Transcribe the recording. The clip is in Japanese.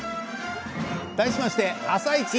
題しまして「あさイチ」